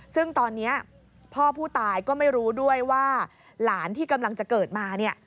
ซึ่งตอนนี้พ่อผู้ตายก็ไม่รู้ด้วยว่าหลานที่กำลังจะเกิดมาเนี่ย